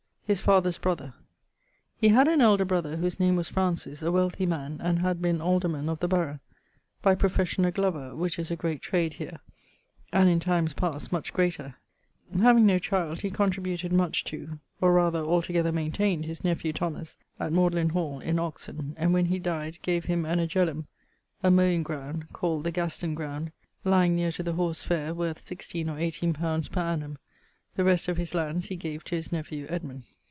<_His father's brother._> He had an elder brother[FH] whose name was Francis, a wealthy man, and had been alderman[XC.] of the borough; by profession a glover[XCI.], which is a great trade here[XCII.], and in times past much greater. Having nochild, he contributed much to, or rather altogether maintained, his nephew Thomas at Magdalen hall in Oxon; and when he dyed gave him an agellum (a moweing ground) called the Gasten ground, lyeing neer to the horse faire, worth 16 or 18 poundes per annum; the rest of his landes he gave to his nephew Edmund.